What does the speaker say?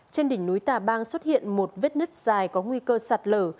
trên đỉnh núi tà bang xuất hiện một vết nứt dài có nguy cơ sạt lở